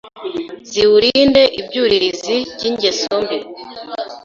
ziwurinde ibyuririzi by’ingeso mbi